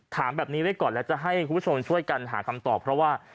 ถามแบบนี้ไว้ก่อนแล้วจะให้คุณผู้ชมช่วยกันหาคำตอบเพราะว่า